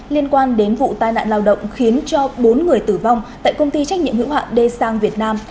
liên quan đến vụ tai nạn lao động khiến cho bốn người tử vong tại công ty trách nhiệm hữu hạn d sang việt nam